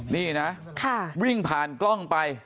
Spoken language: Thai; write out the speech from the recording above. นี่นะวิ่งผ่านกล้องไป